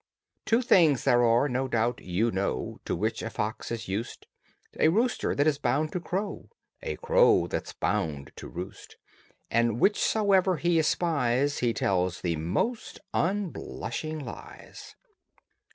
Two things there are, no doubt you know, To which a fox is used: A rooster that is bound to crow, A crow that's bound to roost, And whichsoever he espies He tells the most unblushing lies.